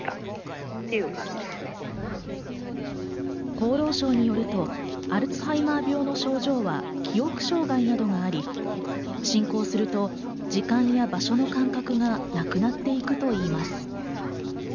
厚労省によると、アルツハイマー病の症状は記憶障害などがあり、進行すると時間や場所の感覚がなくなっていくといいます。